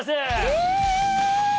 えっ！